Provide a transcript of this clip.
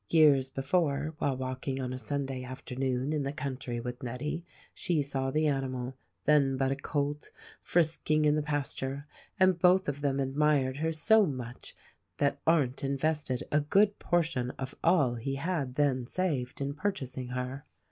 Years before, while walking on a Sunday afternoon in the country with Nettie she saw the animal — then but a colt — frisking in the pasture, and both of them admired her so much that Arndt invested a good portion of all he had then saved in purchasing her.